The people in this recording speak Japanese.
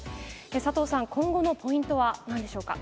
佐藤さん、今後のポイントはなんでしょうか。